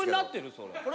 それ。